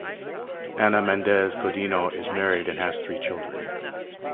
Ana Mendes Godinho is married and has three children.